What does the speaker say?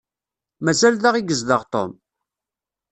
Mazal da i yezdeɣ Tom?